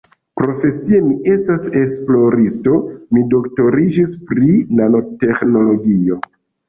Profesie mi estas esploristo, mi doktoriĝis pri nanoteĥnologio.